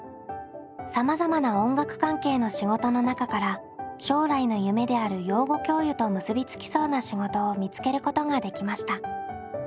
さまざまな音楽関係の仕事の中から将来の夢である養護教諭と結びつきそうな仕事を見つけることができました。